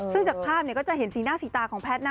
ซึ่งจากภาพก็จะเห็นสีหน้าสีตาของแพทย์นะ